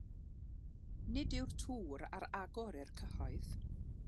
Nid yw'r tŵr ar agor i'r cyhoedd.